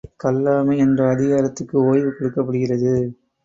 கள்ளாமை என்ற அதிகாரத்துக்கு ஓய்வு கொடுக்கப் படுகிறது.